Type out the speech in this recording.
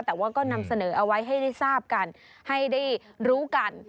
แต่ว่าก็นำเสนอเอาไว้ให้ได้ทราบกันให้ได้รู้กัน